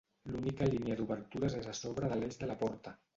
L'única línia d'obertures és a sobre de l'eix de la porta.